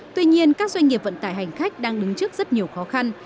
tuy nhiên các doanh nghiệp vận tải hành khách đang đứng trước rất nhiều khó khăn